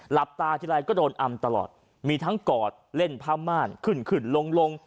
หลับตาทีไรก็โดนอำตลอดมีทั้งกอดเล่นผ้าม่านขึ้นขึ้นลงลง